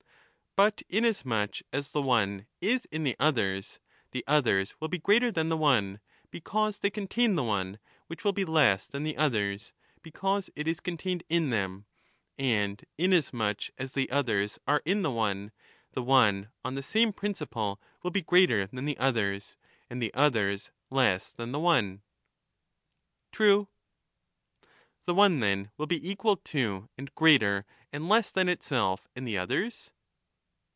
them, and But inasmuch as the one is in the others, the others will be » therefore greater than the one, because they contain the one, which will ^|Si^ be less than the others, because it is contained in them ; and them, inasmuch as the others are in the one, the one on the same principle will be greater than the others, and the others less than the one. True. The one, then, will be equal to and greater and less than itself and the others